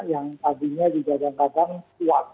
yang tadinya juga agak agak kuat